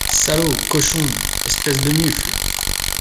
Salaud! cochon ! espèce de mufle !...